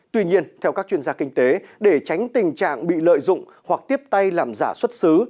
tuy nhiên theo các chuyên gia kinh tế để tránh tình trạng bị lợi dụng hoặc tiếp tay làm giả xuất xứ